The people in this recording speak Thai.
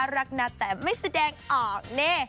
รักนะแต่ไม่แสดงออกแน่